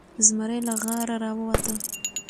زمری له غاره راووته.